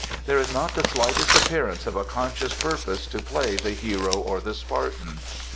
There is not the slightest appearance of a conscious purpose to play the hero or the Spartan.